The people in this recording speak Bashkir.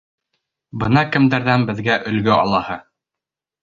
Бына кемдәрҙән беҙгә өлгө алаһы!